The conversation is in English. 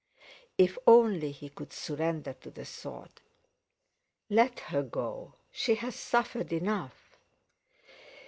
If only he could surrender to the thought: "Let her go—she has suffered enough!"